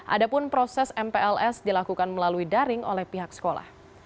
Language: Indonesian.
ada pun proses mpls dilakukan melalui daring oleh pihak sekolah